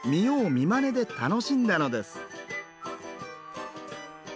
見まねで楽しんだのです。